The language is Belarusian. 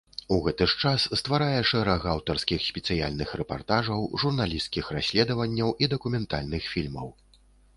У гэты ж час стварае шэраг аўтарскіх спецыяльных рэпартажаў, журналісцкіх расследаванняў і дакументальных фільмаў.